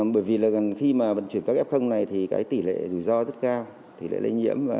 bởi vì gần khi vận chuyển các f này thì tỷ lệ rủi ro rất cao tỷ lệ lây nhiễm